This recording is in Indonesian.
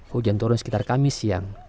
hujan turun sekitar kami siang